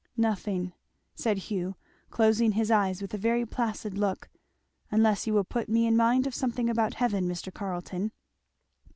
"Nothing " said Hugh, closing his eyes with a very placid look; "unless you will put me in mind of something about heaven, Mr. Carleton."